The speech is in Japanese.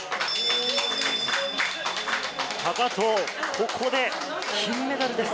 ここで金メダルです。